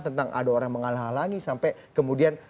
tentang ada orang menghalang halangi sampai kemudian